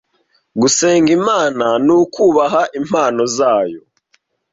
Gusenga Imana ni kubaha impano zayo